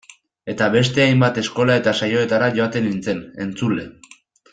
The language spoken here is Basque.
Eta beste hainbat eskola eta saiotara joaten nintzen, entzule.